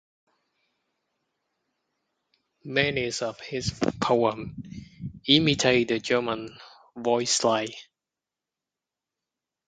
Many of his poems imitate the German Volkslied.